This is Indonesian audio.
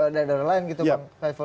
dari lain gitu pak faiful